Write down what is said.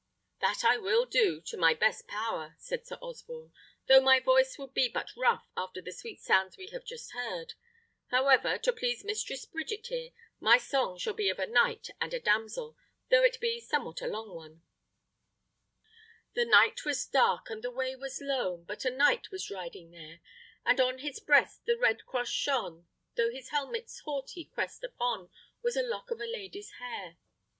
"That I will do, to my best power," said Sir Osborne, "though my voice will be but rough after the sweet sounds we have just heard: however, to please Mistress Bridget here, my song shall be of a knight and a damsel, though it be somewhat a long one." THE KNIGHT'S SONG. The night was dark, and the way was lone, But a knight was riding there; And on his breast the red cross shone, Though his helmet's haughty crest upon Was a lock of a lady's hair.